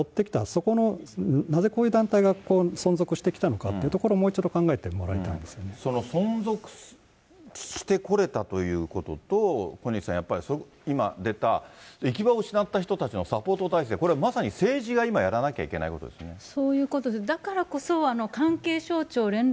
そこの、なぜこういう団体が存続してきたのかということを、もう一度考えその存続してこれたということと、小西さん、やっぱり、今出た、行き場を失った人たちのサポート体制、これ、まさに政治が今やらなきゃいけないことですよね。